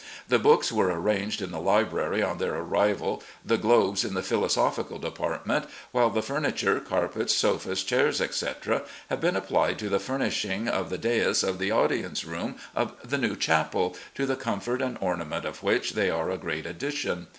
The books were arranged in the library on their arrival, the globes in the philosophical department, while the furni ture, carpets, sofas, chairs, etc., have been applied to the furnishing of the dais of the audience room of the new chapel, to the comfort and ornament of which they are a great addition.